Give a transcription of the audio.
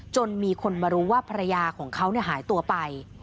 จนมีคนมารู้ว่าภรรยาของเขาหายตัวไป